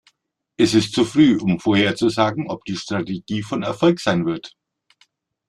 Es ist zu früh, um vorherzusagen, ob die Strategie von Erfolg sein wird.